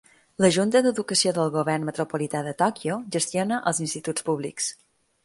La Junta d'Educació del Govern Metropolità de Tòquio gestiona els instituts públics.